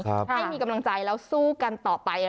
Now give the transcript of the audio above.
ให้มีกำลังใจแล้วสู้กันต่อไป